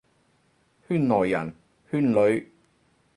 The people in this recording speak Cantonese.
圈內人，圈裏，